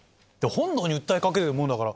本能に訴え掛けるものだから。